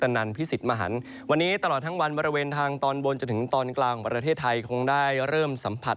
นันพิสิทธิ์มหันวันนี้ตลอดทั้งวันบริเวณทางตอนบนจนถึงตอนกลางของประเทศไทยคงได้เริ่มสัมผัส